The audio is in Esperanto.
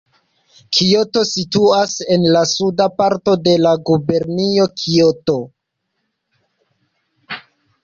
Kioto situas en la suda parto de la gubernio Kioto.